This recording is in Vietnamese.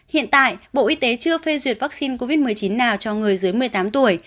hiện tại bộ y tế chưa phê duyệt vaccine covid một mươi chín nào cho người dưới một mươi tám tuổi